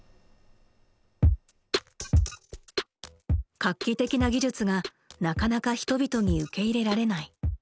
画期的な技術がなかなか人々に受け入れられない。